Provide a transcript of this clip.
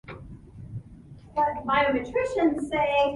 The two teams were replaced by the Bad Homburg Hornets.